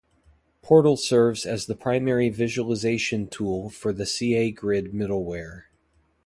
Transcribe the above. Portal serves as the primary visualization tool for the caGrid middleware.